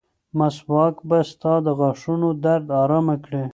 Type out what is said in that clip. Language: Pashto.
مسواک به ستا د غاښونو درد ارامه کړي.